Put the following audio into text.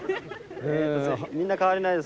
みんな変わりないですか？